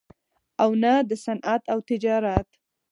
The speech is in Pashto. او نه دَصنعت او تجارت